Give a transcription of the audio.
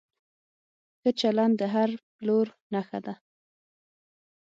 ښه چلند د هر پلور نښه ده.